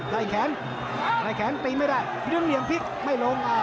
ไล่แขนไล่แขนตีไม่ได้พิรุณเหลี่ยมพลิกไม่ลงอ่า